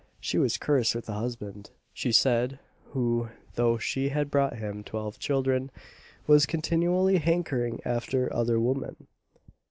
She was cursed with a husband, she said, who though she had brought him twelve children was continually hankering after other women.